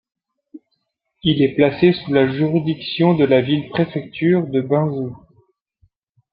Il est placé sous la juridiction de la ville-préfecture de Binzhou.